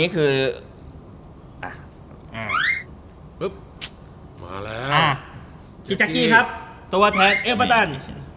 กิจักกี้ครับตัวแทนเอฟเวอร์ตัน